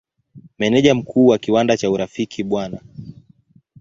Meneja Mkuu wa kiwanda cha Urafiki Bw.